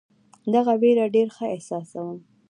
دغه وېره ډېر ښه احساسوم.